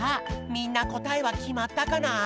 みんなこたえはきまったかな？